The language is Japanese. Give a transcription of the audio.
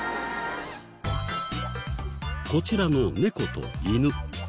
こちらの猫と犬。